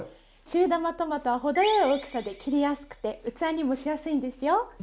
中玉トマトは程よい大きさで切りやすくて器にもしやすいんですよ。